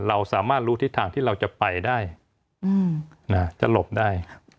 เราสามารถรู้ทิศทางที่เราจะไปได้จะหลบได้